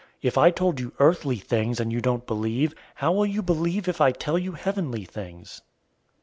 003:012 If I told you earthly things and you don't believe, how will you believe if I tell you heavenly things?